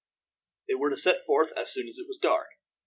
They were to set forth as soon as it was dark.